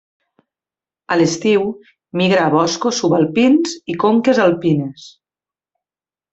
A l'estiu migra a boscos subalpins i conques alpines.